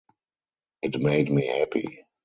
It made me happy.